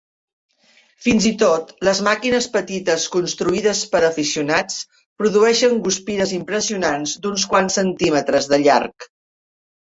Fins i tot les màquines petites construïdes per aficionats produeixen guspires impressionants d'uns quants centímetres de llarg.